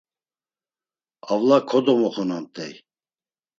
Avla kodomoxunamt̆ey.